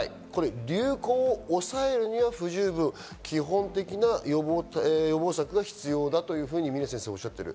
流行を抑えるには不十分、基本的な予防策が必要だというふうに峰先生はおっしゃっている。